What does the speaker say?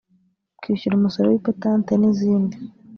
kwishyura umusoro w’ipatante n’izindi